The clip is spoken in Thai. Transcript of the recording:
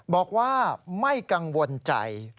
บอกว่าไม่กังวลใจ